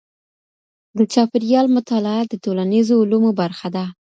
د چاپېریال مطالعه د ټولنیزو علومو برخه ده.